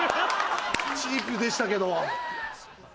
チープでしたけど。